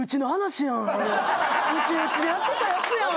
うちうちでやってたやつやん